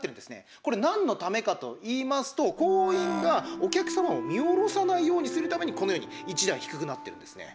これ、なんのためかといいますと行員がお客様を見下ろさないようにするためにこのように１段低くなってるんですね。